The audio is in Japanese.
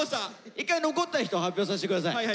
一回残った人発表させてください。